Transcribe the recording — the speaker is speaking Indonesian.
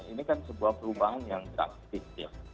ini kan sebuah perubahan yang tak tiktik